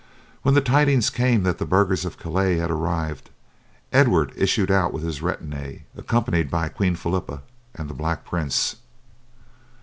When the tidings came that the burghers of Calais had arrived, Edward issued out with his retinue, accompanied by Queen Philippa and the Black Prince.